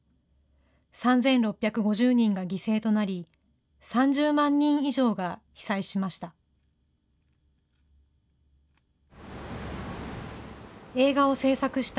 ３６５０人が犠牲となり、３０万人以上が被災しました。